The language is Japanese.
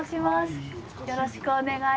よろしくお願いします。